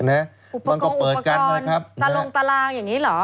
อุปกรณ์อุปกรณ์ตาลงตารางอย่างนี้เหรอ